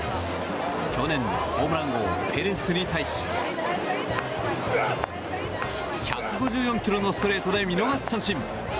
去年のホームラン王ペレスに対し１５４キロのストレートで見逃し三振。